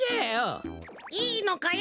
いいのかよ